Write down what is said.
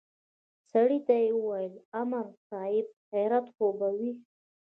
سړي ته يې وويل امر صايب خيريت خو به وي.